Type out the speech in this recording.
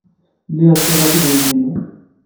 Lliɣ ttarraɣ-d idrimen-inu.